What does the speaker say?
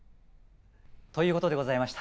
ということでございました。